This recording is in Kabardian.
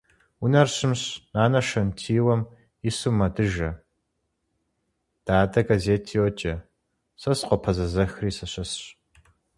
Унэр щымщ. Нанэ шэнтиуэм ису мэдыжэ, дадэ газет йоджэ, сэ сыкъопэзэзэхыри сыщысщ.